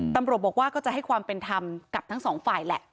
ตำรวจบอกว่าก็จะให้ความเป็นธรรมกับทั้งสองฝ่ายแหละ